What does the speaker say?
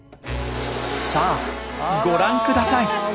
さあご覧下さい！